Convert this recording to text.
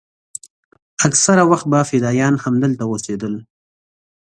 اکثره وخت به فدايان همدلته اوسېدل.